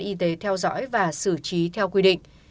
cơ quan y tế sẽ theo dõi và xử trí theo quy định